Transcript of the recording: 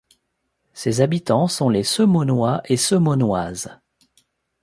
Ses habitants sont les Semonois et Semonoises.